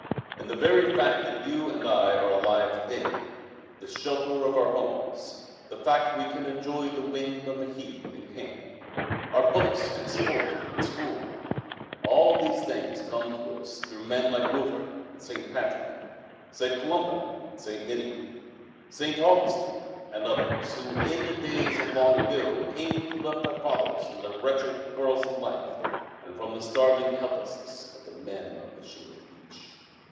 And the very fact that you and I are alive to day, the shelter of our homes, the fact that we can enjoy the wind on the heath in camp, our books and sport and school, all these things come to us through men like Wilfrid and St. Patrick, St. Columba and St. Ninian, St. Augustine and others who in the days of long ago came to lift our fathers from the wretched, quarrelsome life, and from the starving helplessness of the Men of the Shingle Beach.